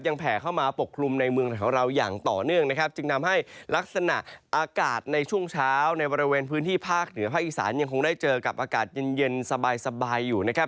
แผ่เข้ามาปกคลุมในเมืองของเราอย่างต่อเนื่องนะครับจึงทำให้ลักษณะอากาศในช่วงเช้าในบริเวณพื้นที่ภาคเหนือภาคอีสานยังคงได้เจอกับอากาศเย็นเย็นสบายอยู่นะครับ